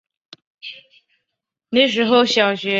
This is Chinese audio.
马库库是巴西里约热内卢州的一个市镇。